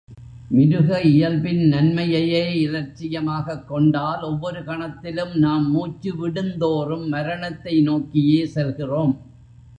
மிருக இயல்பின் நன்மையையே இலட்சியமாகக் கொண்டால், ஒவ்வொரு கணத்திலும், நாம் மூச்சு விடுந்தோறும், மரணத்தை நோக்கியே செல்கிறோம்.